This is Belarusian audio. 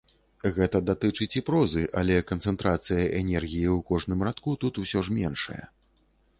Гэта датычыць і прозы, але канцэнтрацыя энергіі ў кожным радку тут усё ж меншая.